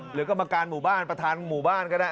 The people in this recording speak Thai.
กรรมการหมู่บ้านประธานหมู่บ้านก็ได้